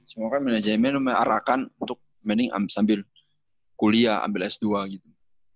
semua kan manajemen mengarahkan untuk meaning sambil kuliah ambil s dua gitu